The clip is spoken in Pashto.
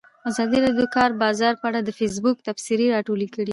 ازادي راډیو د د کار بازار په اړه د فیسبوک تبصرې راټولې کړي.